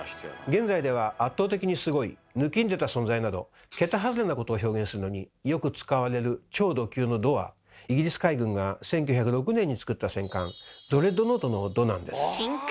現在では「圧倒的にすごい」「ぬきんでた存在」などケタ外れなことを表現するのによく使われる「超ド級」の「ド」はイギリス海軍が１９０６年に造った戦艦ドレッドノートの「ド」なんです。